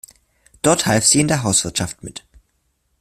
Dort half sie in der Hauswirtschaft mit.